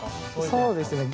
そうですね